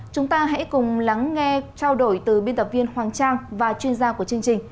chúng ta hãy cùng lắng nghe trao đổi từ biên tập viên hoàng trang và chuyên gia của chương trình